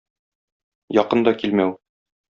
Якын да килмәү.